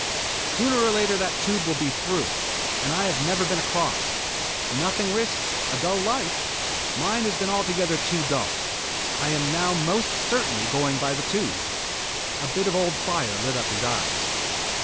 "Sooner or later the Tube will be through, and I have never been across. Nothing risked a dull life. Mine has been altogether too dull. I am now most certainly going by the Tube." A bit of the old fire lit up his eyes.